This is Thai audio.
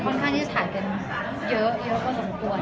ค่อนข้างที่จะถ่ายกันเยอะกว่าด